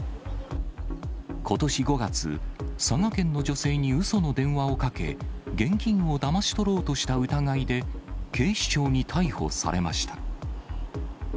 ことし５月、佐賀県の女性にうその電話をかけ、現金をだまし取ろうとした疑いで、警視庁に逮捕されました。